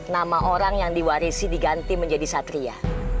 nama orang yang diwarisi diganti menjadi satria